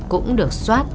cũng được xoát